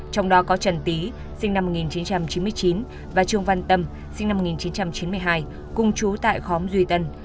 trong đó có trần tý sinh năm một nghìn chín trăm chín mươi chín và trương văn tâm sinh năm một nghìn chín trăm chín mươi hai cùng chú tại khóm duy tân